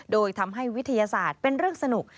โดยทำให้วิทยาศาสตร์เป็นเรื่องสนุก